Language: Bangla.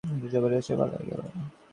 যুবরাজ যে পলাইয়া গেল।